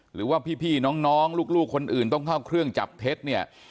หรือว่าพี่น้องลูกคนอื่นต้องเข้าเครื่องจับเท็จเนี่ย